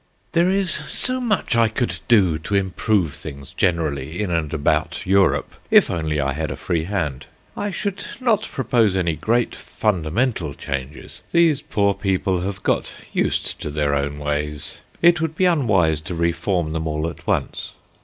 THERE is so much I could do to improve things generally in and about Europe, if only I had a free hand. I should not propose any great fundamental changes. These poor people have got used to their own ways; it would be unwise to reform them all at once.